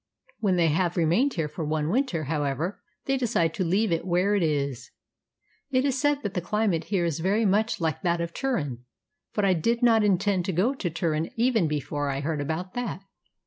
When they have remained here for one winter, however, they decide to leave it where it is. It is said that the climate here is very much like that of Turin. But I did not intend to go to Turin even before I heard about that.